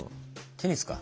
テニスか。